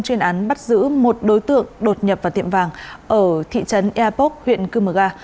chuyên án bắt giữ một đối tượng đột nhập vào tiệm vàng ở thị trấn eapok huyện cư mờ ga